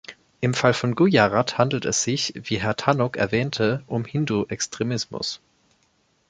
Im Fall von Gujarat handelt es sich, wie Herr Tannock erwähnte, um Hindu-Extremismus.